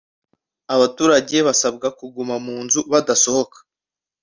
abaturage basabwa kuguma mu mazu badasohoka